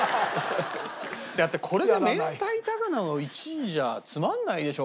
だってこれで明太ただの１位じゃつまらないでしょ